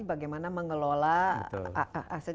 bagaimana mengelola aset